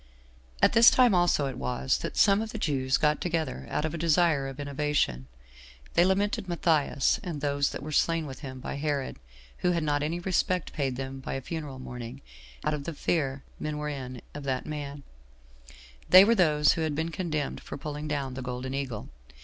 1. At this time also it was that some of the Jews got together out of a desire of innovation. They lamented Matthias, and those that were slain with him by Herod, who had not any respect paid them by a funeral mourning, out of the fear men were in of that man; they were those who had been condemned for pulling down the golden eagle.